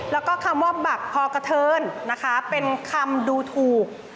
แล้วก็คำว่าบักพอกระเทินนะคะเป็นคำดูถูก